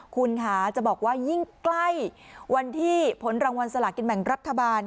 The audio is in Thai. คุณค่ะจะบอกว่ายิ่งใกล้วันที่ผลรางวัลสลากินแบ่งรัฐบาล